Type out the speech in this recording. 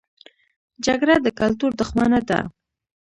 جګړه د کلتور دښمنه ده